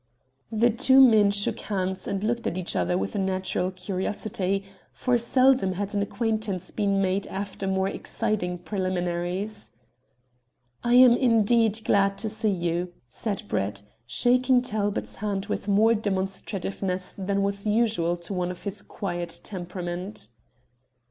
The two men shook hands and looked at each other with a natural curiosity, for seldom had an acquaintance been made after more exciting preliminaries. "I am indeed glad to see you," said Brett, shaking Talbot's hand with more demonstrativeness than was usual to one of his quiet temperament.